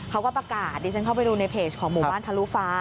เขาก็ประกาศดิฉันเข้าไปดูในเพจของหมู่บ้านทะลุฟ้า